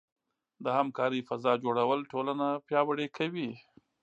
د همکارۍ فضاء جوړول ټولنه پیاوړې کوي.